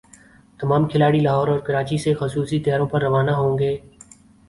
تمام کھلاڑی لاہور اور کراچی سے خصوصی طیاروں پر روانہ ہوں گے